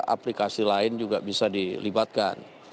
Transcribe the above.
aplikasi lain juga bisa dilibatkan